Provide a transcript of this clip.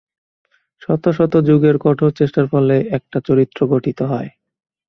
শত শত যুগের কঠোর চেষ্টার ফলে একটা চরিত্র গঠিত হয়।